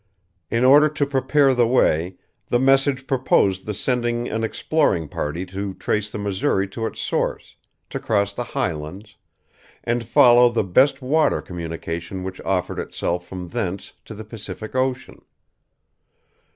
In order to prepare the way, the message proposed the sending an exploring party to trace the Missouri to its source, to cross the Highlands, and follow the best water communication which offered itself from thence to the Pacific Ocean.